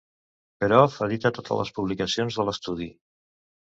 Perov edita totes les publicacions de l'estudi.